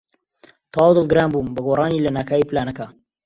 تەواو دڵگران بووم بە گۆڕانی لەناکاوی پلانەکە.